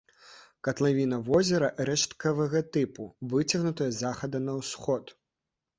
Катлавіна возера рэшткавага тыпу, выцягнутая з захаду на ўсход.